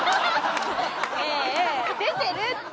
ねえ出てるって！